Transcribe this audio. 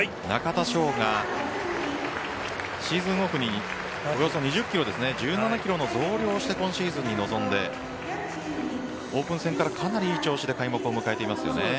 中田翔がシーズンオフにおよそ２０ｋｇ１７ｋｇの増量をして今シーズンに臨んでオープン戦からかなりいい調子で開幕戦を迎えています。